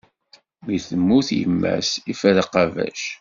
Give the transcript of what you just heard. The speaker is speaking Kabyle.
Mi temmut yemma-s, iffer aqabac!